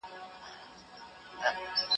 محمد سرور "واصل حسنیار"